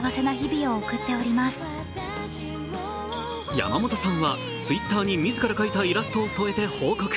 山本さんはＴｗｉｔｔｅｒに自ら描いたイラストを添えて報告。